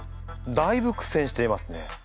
だいぶ苦戦していますね。